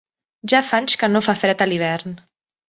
Ja fa anys que no fa fred a l'hivern.